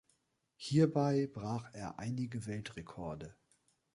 Hierbei brach er einige Weltrekorde.